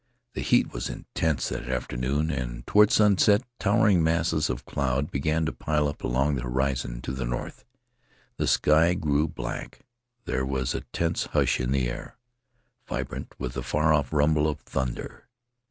The heat was intense that afternoon, and toward sunset towering masses of cloud began to pile up along the horizon to the north. The sky grew black; there was it tense hush in the air, vibrant with the far off rumble of thunder.